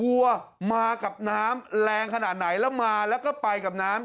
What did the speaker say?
วัวมากับน้ำแรงขนาดไหนแล้วมาแล้วก็ไปกับน้ำ